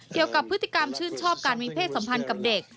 เกี่ยวกับพฤติกรรมชื่นชอบการมีเพศสัมพันธ์กับเด็ก